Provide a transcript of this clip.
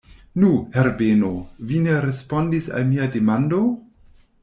Nu, Herbeno, vi ne respondis al mia demando?